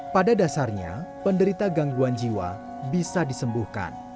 pada dasarnya penderita gangguan jiwa bisa disembuhkan